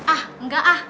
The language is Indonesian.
ah enggak ah